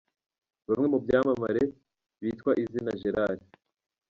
Bamwe mu byamamare bitwa izina Gerard.